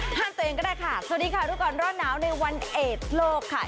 ห้ามตัวเองก็ได้ค่ะสวัสดีค่ะรู้ก่อนร้อนหนาวในวันเอกโลกค่ะ